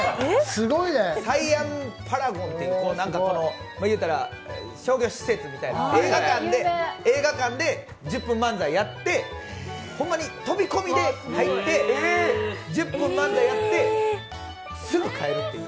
サイアムパラゴンっていう、言うたら商業施設みたいな、映画館で、１０分漫才やって飛び込みで入って１０分漫才やって、すぐ帰るっていう。